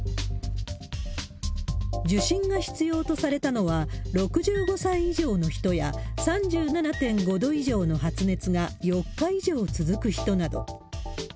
受診が必要とされたのは、６５歳以上の人や、３７．５度以上の発熱が４日以上続く人など。